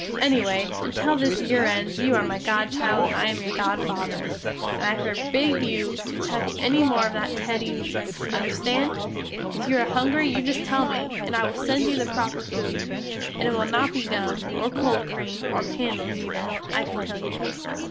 Ennyway until this yere ends you are my godchild and I am your godfather, and I forbid you to tuch enny more of that Teddys eats, understand? If you are hungry you just tell me, and I will send you the proper food; and it will not be gum, or cold cream or candels ether, I can tell you.